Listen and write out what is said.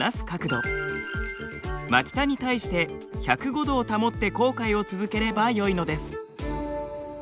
角度真北に対して１０５度を保って航海を続ければよいのです。